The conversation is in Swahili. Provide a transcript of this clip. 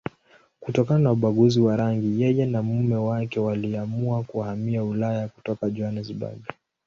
Kutokana na ubaguzi wa rangi, yeye na mume wake waliamua kuhamia Ulaya kutoka Johannesburg.